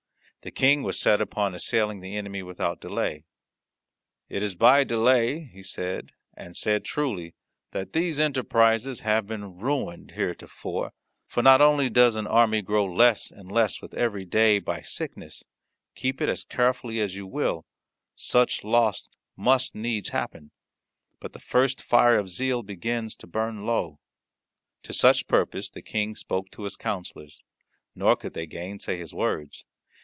The King was set upon assailing the enemy without delay. "It is by delay," he said, and said truly, "that these enterprises have been ruined heretofore, for not only does an army grow less and less with every day by sickness keep it as carefully as you will, such loss must needs happen but the first fire of zeal begins to burn low." To such purpose the King spoke to his counsellors, nor could they gainsay his words.